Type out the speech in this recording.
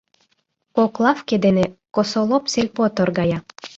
Кок лавке дене Косолоп сельпо торгая.